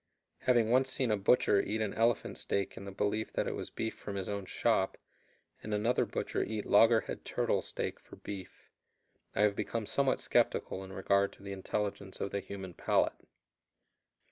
Having once seen a butcher eat an elephant steak in the belief that it was beef from his own shop, and another butcher eat loggerhead turtle steak for beef, I have become somewhat skeptical in regard to the intelligence of the human palate.